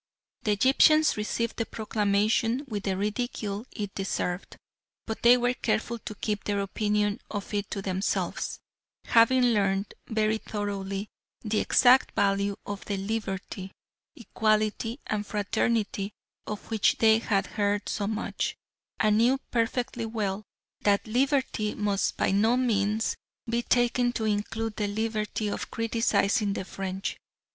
The Egyptians received the proclamation with the ridicule it deserved, but they were careful to keep their opinion of it to themselves, having learned very thoroughly the exact value of the "liberty, equality, and fraternity" of which they had heard so much, and knew perfectly well that "liberty" must by no means be taken to include the liberty of criticising the French.